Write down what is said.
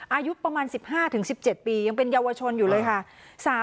อายุประมาณ๑๕๑๗ปียังเป็นเยาวชนอยู่เลยค่ะ